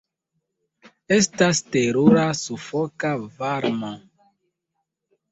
Estas terura sufoka varmo.